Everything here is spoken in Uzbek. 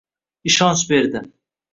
Ishonch berdi